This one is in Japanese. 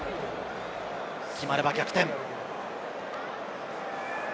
決まれば逆転。